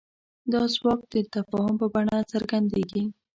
دا ځواک د تفاهم په بڼه څرګندېږي.